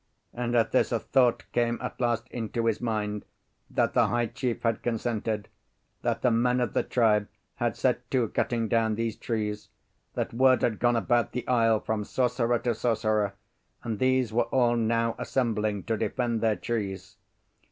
And at this a thought came at last into his mind that the high chief had consented; that the men of the tribe had set to cutting down these trees; that word had gone about the isle from sorcerer to sorcerer, and these were all now assembling to defend their trees.